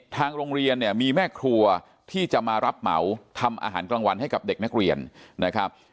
ทางโรงเรียนเนี่ยมีแม่ครัวที่จะมารับเหมาทำอาหารกลางวันให้กับเด็กนักเรียนนะครับ